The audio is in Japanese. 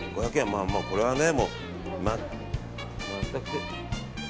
まあ、もうこれはね。